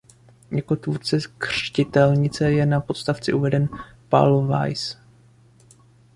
Jako tvůrce křtitelnice je na podstavci uveden "Paul Weisse".